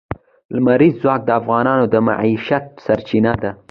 لمریز ځواک د افغانانو د معیشت سرچینه ده.